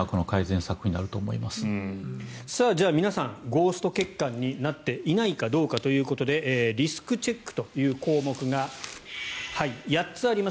さあ、じゃあ皆さんゴースト血管になっていないかどうかということでリスクチェックという項目が８つあります。